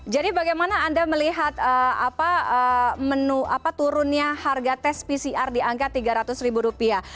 jadi bagaimana anda melihat turunnya harga tes pcr di angka tiga ratus ribu rupiah